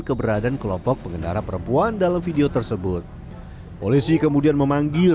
keberadaan kelompok pengendara perempuan dalam video tersebut polisi kemudian memanggil